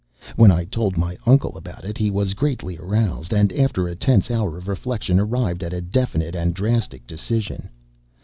When I told my uncle about it he was greatly aroused; and after a tense hour of reflection, arrived at a definite and drastic decision.